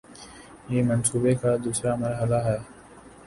یہ منصوبے کا دوسرا مرحلہ ہے